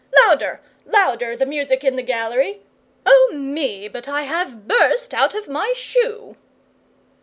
'Louder! Louder, the music in the gallery! Oh, me, but I have burst out of my shoe!